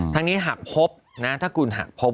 ทั้งนี้หากพบนะถ้าคุณหากพบ